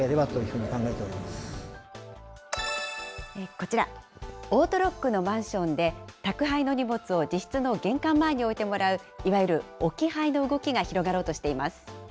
こちら、オートロックのマンションで、宅配の荷物を自室の玄関前に置いてもらう、いわゆる置き配の動きが広がろうとしています。